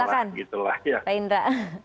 silahkan pak indra